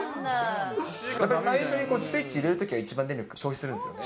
やっぱり最初にスイッチ入れるときは一番電力消費するんですよね。